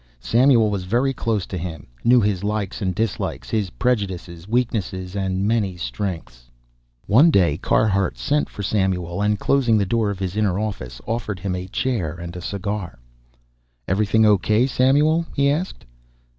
Samuel was very close to him, knew his likes and dislikes, his prejudices, weaknesses and many strengths. One day Carhart sent for Samuel and, closing the door of his inner office, offered him a chair and a cigar. "Everything O. K., Samuel?" he asked.